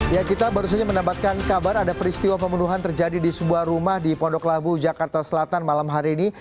ya kita baru saja mendapatkan kabar ada peristiwa pembunuhan terjadi di sebuah rumah di pondok labu jakarta selatan malam hari ini